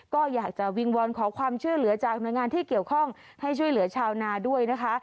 ก็อยากจะวิงวอนขอความช่วยเหลือจากหน่วยงานที่เกี่ยวข้องให้ช่วยเหลือชาวนาด้วยนะคะ